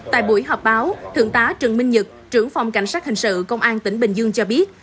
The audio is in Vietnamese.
tại buổi họp báo thượng tá trần minh nhật trưởng phòng cảnh sát hình sự công an tỉnh bình dương cho biết